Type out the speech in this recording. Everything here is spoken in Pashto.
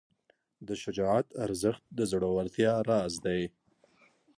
د شجاعت ارزښت د زړورتیا راز دی.